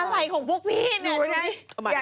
อะไรของพวกพี่เนี่ย